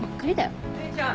・姉ちゃん！